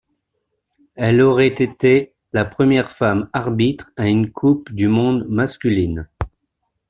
Elle aurait été la première femme arbitre à une Coupe du monde masculine.